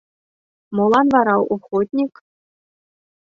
- Молан вара охотник?